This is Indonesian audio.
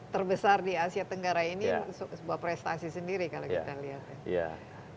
terbesar di asia tenggara ini sebuah prestasi sendiri kalau kita lihat ya